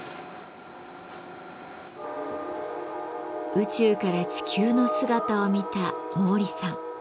宇宙から地球の姿を見た毛利さん。